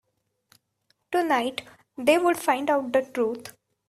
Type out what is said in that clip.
Tonight, they would find out the truth.